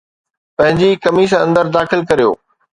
پنهنجي قميص اندر داخل ڪريو